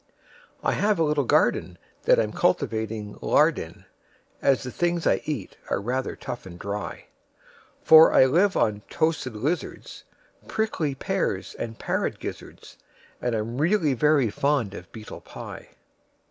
I have a little gardenThat I'm cultivating lard in, As the things I eat are rather tough and dry; For I live on toasted lizards, Prickly pears, and parrot gizzards, And I'm really very fond of beetle pie.